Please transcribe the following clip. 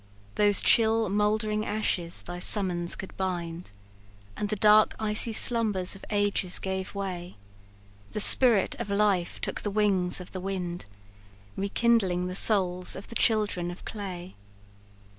"Those chill mouldering ashes thy summons could bind, And the dark icy slumbers of ages gave way; The spirit of life took the wings of the wind, Rekindling the souls of the children of clay.